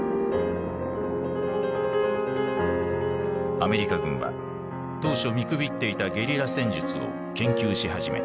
アメリカ軍は当初見くびっていたゲリラ戦術を研究し始めた。